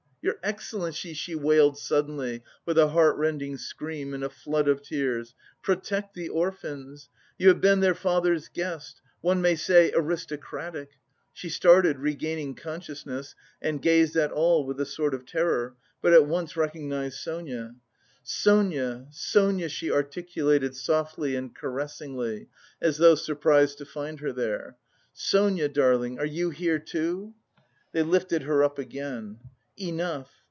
"Your excellency!" she wailed suddenly with a heart rending scream and a flood of tears, "protect the orphans! You have been their father's guest... one may say aristocratic...." She started, regaining consciousness, and gazed at all with a sort of terror, but at once recognised Sonia. "Sonia, Sonia!" she articulated softly and caressingly, as though surprised to find her there. "Sonia darling, are you here, too?" They lifted her up again. "Enough!